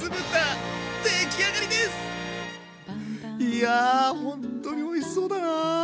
いやほんとにおいしそうだな。